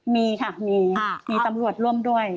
มีค่ะมีมีตำรวจร่วมด้วย